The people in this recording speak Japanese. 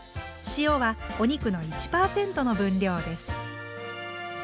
塩はお肉の１％の分量です。